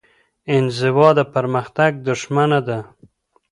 انزوا د پرمختګ دښمنه ده.